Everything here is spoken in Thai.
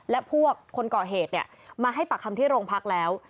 และพวกคนก่อเหตุมาให้ปากคำที่โรงพักแล้ว